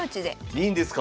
いいんですか？